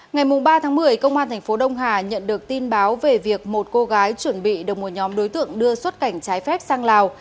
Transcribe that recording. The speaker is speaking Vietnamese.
ngày ba một mươi công an tp đông hà nhận được tin báo về việc một cô gái chuẩn bị đồng một nhóm đối tượng đưa xuất cảnh trái phép sang lào